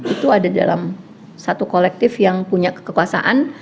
itu ada dalam satu kolektif yang punya kekuasaan